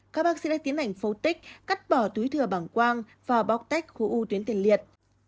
các bác sĩ đã tiến hành phô tích cắt bỏ túi thừa bằng quang và bóc tách khu u tuyến tiền liệt